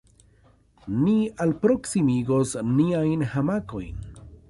Ni alproksimigos niajn hamakojn.